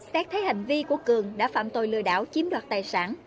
xét thấy hành vi của cường đã phạm tội lừa đảo chiếm đoạt tài sản